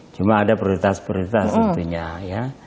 cuma ada prioritas prioritas tentunya ya